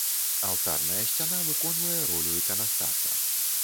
Алтарная сцяна выконвае ролю іканастаса.